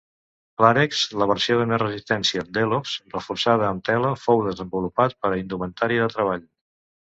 Plarex, la versió de més resistència d'Helox, reforçada amb tela, fou desenvolupat per a indumentària de treball.